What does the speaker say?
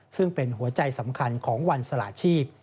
ซึ่งเป็นหัวใจสำคัญของวันสละชีพ